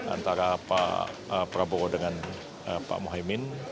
antara pak prabowo dengan pak mohaimin